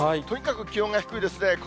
とにかく気温が低いですね。